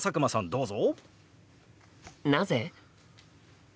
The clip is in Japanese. どうぞ。